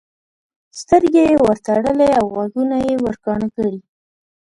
سترګې یې ورتړلې او غوږونه یې ورکاڼه کړي.